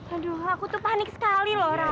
aduh aku tuh panik sekali loh orang